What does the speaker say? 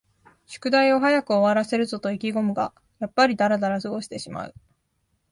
宿題を早く終わらせるぞと意気ごむが、やっぱりだらだら過ごしてしまう